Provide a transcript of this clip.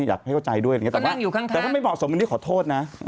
อยากให้เข้าใจด้วยแต่ถ้าไม่เหมาะสมมุติขอโทษนะ